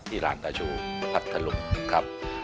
ที่นี่กลับน้ำทางอ่างเก็บน้ำ